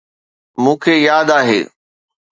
مون کي ياد آهي.